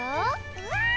うわ！